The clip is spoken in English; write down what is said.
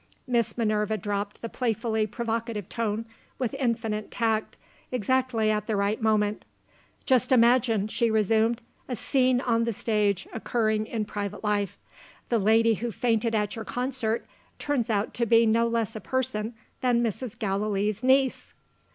Miss Minerva dropped the playfully provocative tone, with infinite tact, exactly at the right moment. "Just imagine," she resumed, "a scene on the stage, occurring in private life. The lady who fainted at your concert, turns out to be no less a person that Mrs. Gallilee's niece!"